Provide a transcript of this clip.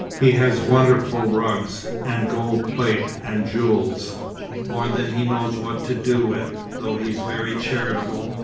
He has wonderful rugs, and gold plate, and jewels, more than he knows what to do with, though he's very charitable.